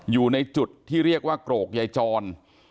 อยู่ในจุดที่เรียกว่าโกรกยายจร